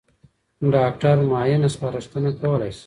ډاکټر معاینه سپارښتنه کولای شي.